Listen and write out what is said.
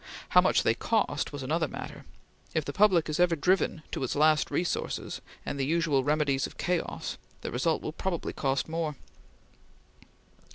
How much they cost was another matter; if the public is ever driven to its last resources and the usual remedies of chaos, the result will probably cost more.